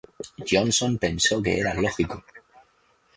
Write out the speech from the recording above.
Johnson pensó que era lógico.